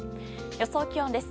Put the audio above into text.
予想気温です。